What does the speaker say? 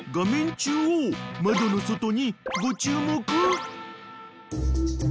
中央窓の外にご注目］